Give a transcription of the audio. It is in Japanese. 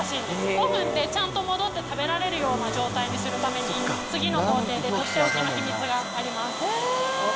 ５分でちゃんともどって食べられるような状態にするために、次の工程で取って置きの秘密があります。